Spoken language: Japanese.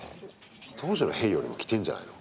当時の兵よりも着てんじゃないの？